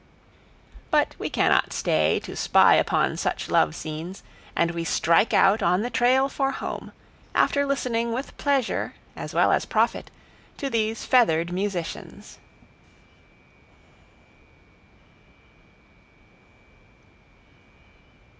But we cannot stay to spy upon such love scenes, and we strike out on the trail for home, after listening with pleasure, as well as profit, to these feathered musicians.